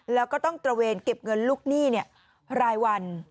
แล้วก็ต้องตระเวนเก็บเงินลูกหนี้รายวัน